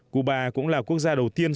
cuba cũng là quốc gia đầu tiên